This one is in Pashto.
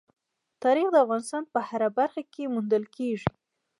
تاریخ د افغانستان په هره برخه کې موندل کېږي.